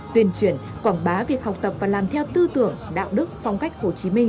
tuyên truyền quảng bá việc học tập và làm theo tư tưởng đạo đức phong cách hồ chí minh